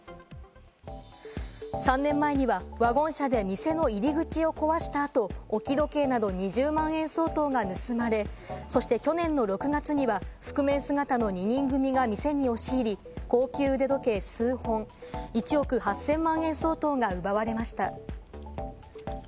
３年前にはワゴン車で店の入り口を壊した後、置き時計など２０万円相当が盗まれ、そして去年の６月には覆面姿の２人組が店に押し入り、高級腕時計数本、１億８０００万円相当が奪われました。